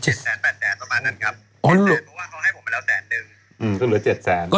๘๐๐กันประมาณนั่นครับ